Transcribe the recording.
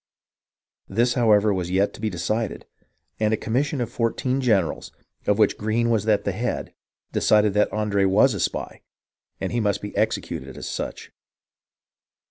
This, however, was yet to be decided ; and a commission of four teen generals, of which Greene was at the head, decided that Andre was a spy, and must be executed as such.